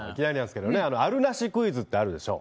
あるなしクイズってあるでしょう？